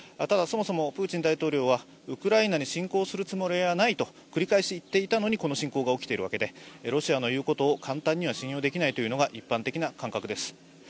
ただそもそもプーチン大統領はウクライナに侵攻するつもりはないと繰り返し言っていたのにこの侵攻が起きているわけでロシアの言うことを簡単には信用できないというのがこちらの感覚です。